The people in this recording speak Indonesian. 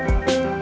dari anjuran dekat